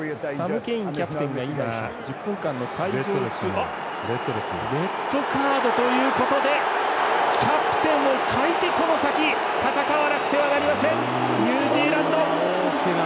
サム・ケインキャプテンがレッドカードということでキャプテンを欠いて、この先戦わなくてはなりません。